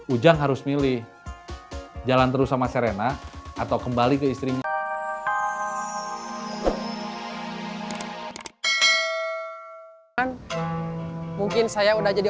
ujang harus milih jalan terus sama serena atau kembali ke istrinya